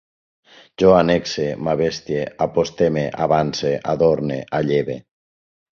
Jo annexe, m'abestie, aposteme, avance, adorne, alleve